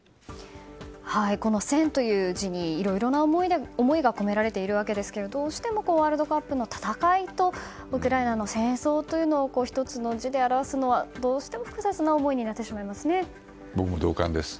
この「戦」という字にいろいろな思いが込められているわけですけれどもどうしてもワールドカップの戦いと、ウクライナの戦争というのを１つの字で表すのは複雑な思いになってしまいますね。